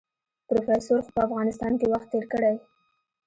پروفيسر خو په افغانستان کې وخت تېر کړی.